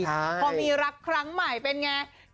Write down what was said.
พอมีรักครั้งใหม่เป็นอย่างไร